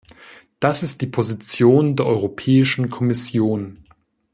Das ist die Position der Europäischen Kommission.